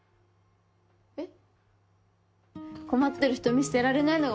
えっ？